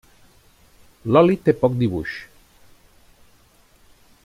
L'oli té poc dibuix.